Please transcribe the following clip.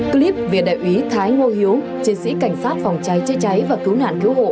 clip về đại úy thái ngô hiếu chiến sĩ cảnh sát phòng cháy chữa cháy và cứu nạn cứu hộ